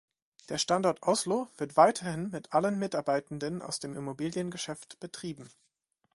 Der Standort Oslo wird weiterhin mit allen Mitarbeitenden aus dem Immobiliengeschäft betrieben.